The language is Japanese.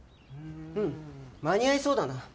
うん間に合いそうだな。